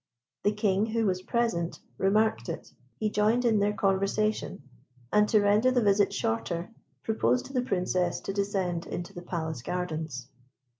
The King, who was present, remarked it. He joined in their conversation; and to render the visit shorter, proposed to the Princess to descend into the Palace Gardens.